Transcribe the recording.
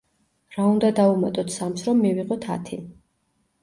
რა უნდა დავუმატოთ სამს, რომ მივიღოთ ათი?